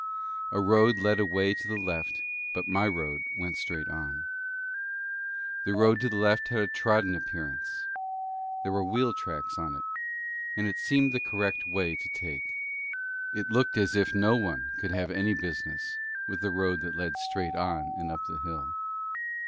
A road led away to the left, but my road went straight on. The road to the left had a trodden appearance; there were wheel tracks on it, and it seemed the correct way to take. It looked as if no one could have any business with the road that led straight on and up the hill.